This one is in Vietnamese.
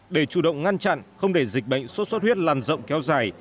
để chủ động ngăn chặn không để dịch bệnh sốt xuất huyết lan rộng kéo dài